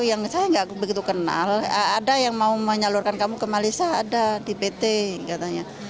yang saya nggak begitu kenal ada yang mau menyalurkan kamu ke malaysia ada di pt katanya